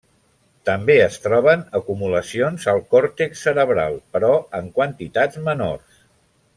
També es troben acumulacions al còrtex cerebral, però en quantitats menors.